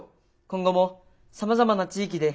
今後もさまざまな地域で。